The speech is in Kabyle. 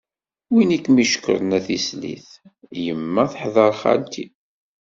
Win i kem-icekkren a tislit? Yemma teḥder xalti.